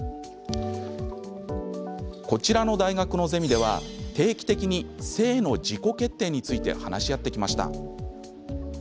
こちらの大学のゼミでは定期的に性の自己決定について話し合ってきました。